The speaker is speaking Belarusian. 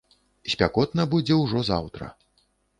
Спякотна будзе ўжо заўтра.